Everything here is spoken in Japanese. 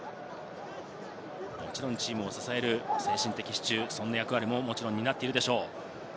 もちろんチームを支える精神的支柱の役割も担っているでしょう。